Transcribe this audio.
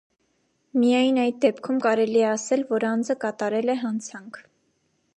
Միայն այդ դեպքում կարելի է ասել, որ անձը կատարել է հանցանք։